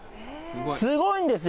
すごいんですよ。